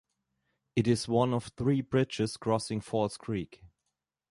It is one of three bridges crossing False Creek.